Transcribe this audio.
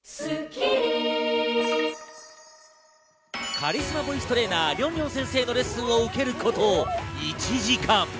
カリスマボイストレーナー・りょんりょん先生のレッスンを受けること１時間。